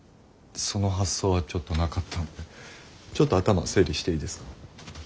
その発想はちょっとなかったんでちょっと頭整理していいですか？